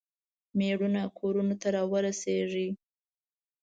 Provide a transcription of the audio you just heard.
میړونه کورونو ته راورسیږي.